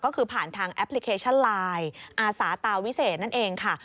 ก็คือผ่านทางแอปพลิเคชันไลน์อาสาตาวิเศษนั่นเองค่ะ